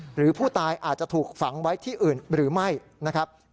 หรือผู้ตายอาจจะถูกฝังไว้ที่อื่นหรือไม่นะครับ